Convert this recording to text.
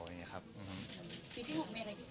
ปีที่๖มีอะไรพิเศษมั้ยคะปีนี้ก็